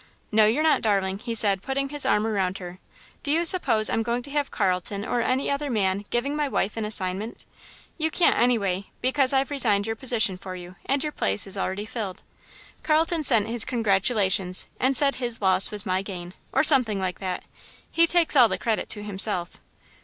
"No you're not, darling," he said, putting his arm around her. "Do you suppose I'm going to have Carlton or any other man giving my wife an assignment? You can't any way, because I've resigned your position for you, and your place is already filled. Carlton sent his congratulations and said his loss was my gain, or something like that. He takes all the credit to himself."